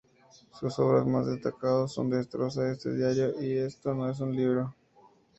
Sus obras más destacados son Destroza este diario y Esto no es un libro.